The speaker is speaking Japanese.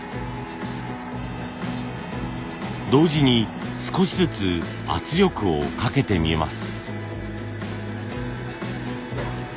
同時に少しずつ圧力をかけてみます。